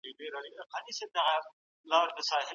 اقتصاد چي وده کوي خلګ کار مومي.